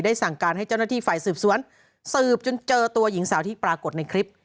สั่งการให้เจ้าหน้าที่ฝ่ายสืบสวนสืบจนเจอตัวหญิงสาวที่ปรากฏในคลิป